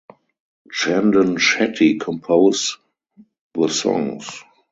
Chandan Shetty compose the songs.